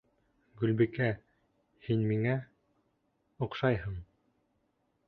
Гөлбикә, һин миңә... оҡшайһың.